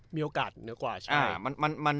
มีโอกาสเหนือกว่าใช่ไหม